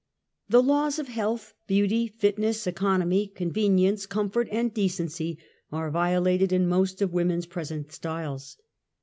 The laws of health, beauty, fitness, economy, con venience, comfort and decency are violated in most of women's present styles.